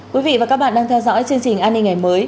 quý vị và các bạn đang theo dõi chương trình an ninh ngày mới